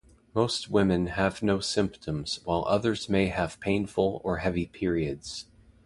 Most women have no symptoms while others may have painful or heavy periods.